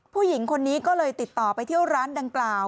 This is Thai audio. ผู้หญิงคนนี้ก็เลยติดต่อไปเที่ยวร้านดังกล่าว